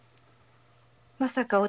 まさか弟？